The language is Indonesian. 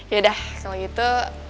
yaudah kalo gitu